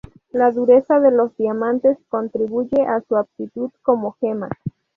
La dureza de los diamantes contribuye a su aptitud como gema.